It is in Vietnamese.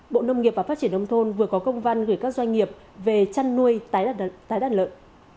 bộ nông nghiệp và phát triển nông thôn vừa có công văn gửi các doanh nghiệp về chăn nuôi tái đàn lợn